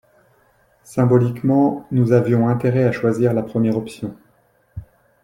Symboliquement, nous avions intérêt à choisir la première option.